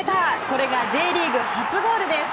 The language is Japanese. これが、Ｊリーグ初ゴールです。